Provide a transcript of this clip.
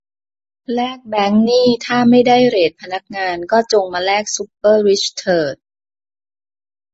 แลกแบงค์นี่ถ้าไม่ได้เรทพนักงาน ก็จงมาแลกซุปเปอร์ริชเถิด